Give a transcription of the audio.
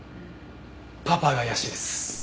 パパが怪しいです。